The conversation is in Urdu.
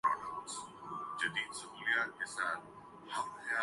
پاکستان کے سابق